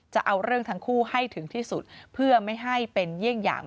จะเอาเรื่องทั้งคู่ให้ถึงที่สุดเพื่อไม่ให้เป็นเยี่ยงอย่าง